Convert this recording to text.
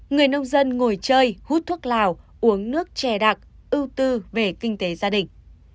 người nông dân ngồi chơi hút thuốc lào uống nước chè đặc ưu tư về kinh tế gia đình